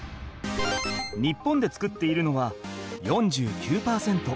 日本で作っているのは４９％。